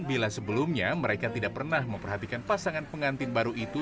bila sebelumnya mereka tidak pernah memperhatikan pasangan pengantin baru itu